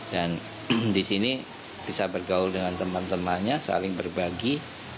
dan disini bisa bergaul dengan teman temannya saling berbagi